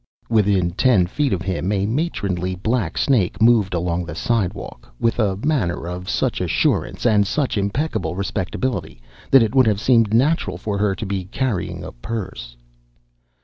Within ten feet of him a matronly black snake moved along the sidewalk with a manner of such assurance and such impeccable respectability that it would have seemed natural for her to be carrying a purse.